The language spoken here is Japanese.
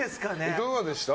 いかがでした？